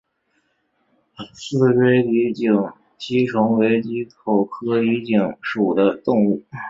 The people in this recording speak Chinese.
似锥低颈吸虫为棘口科低颈属的动物。